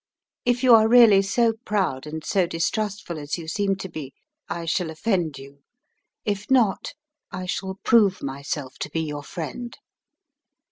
If you are really so proud and so distrustful as you seem to be, I shall offend you; if not, I shall prove myself to be your friend.